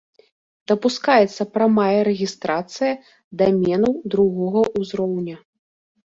Дапускаецца прамая рэгістрацыя даменаў другога ўзроўня.